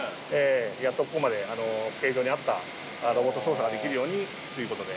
やっとここまで形状に合ったロボット操作ができるようにという事でなってます。